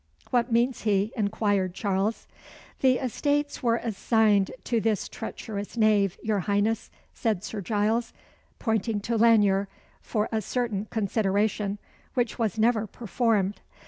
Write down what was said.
"What means he?" inquired Charles. "The estates were assigned to this treacherous knave, your Highness," said Sir Giles, pointing to Lanyere, "for a certain consideration, which was never performed.